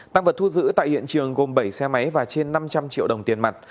tăng vật thu giữ tại hiện trường gồm bảy xe máy và trên năm trăm linh triệu đồng tiền mặt